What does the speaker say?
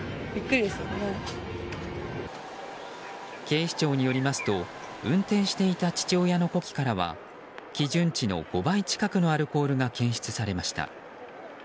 警視庁によりますと運転していた父親の呼気からは基準値の５倍近くのアルコールが検出されました。